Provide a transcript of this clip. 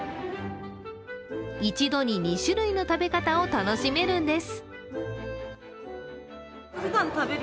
一度に２種類の食べ方を楽しめるんです。